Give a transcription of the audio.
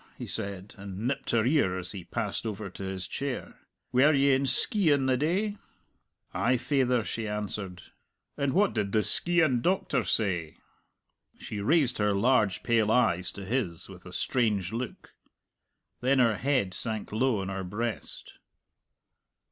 he said, and nipped her ear as he passed over to his chair. "Were ye in Skeighan the day?" "Ay, faither," she answered. "And what did the Skeighan doctor say?" She raised her large pale eyes to his with a strange look. Then her head sank low on her breast.